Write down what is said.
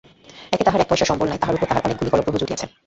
একে তাহার এক পয়সার সম্বল নাই, তাহার উপর তাহার অনেকগুলি গলগ্রহ জুটিয়াছে।